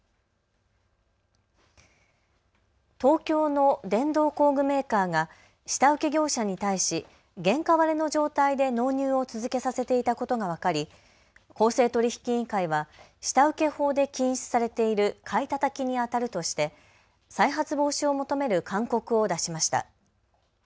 東京の電動工具メーカーが下請け業者に対し原価割れの状態で納入を続けさせていたことが分かり公正取引委員会は下請け法で禁止されている買いたたきにあたるとして再発防止を求める勧告を出しました。